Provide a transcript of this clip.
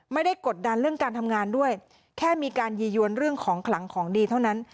กดดันเรื่องการทำงานด้วยแค่มีการยียวนเรื่องของขลังของดีเท่านั้น